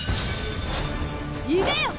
いでよ！